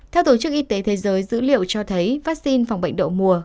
theo tổ chức y tế thế giới dữ liệu cho thấy vaccine phòng bệnh đậu mùa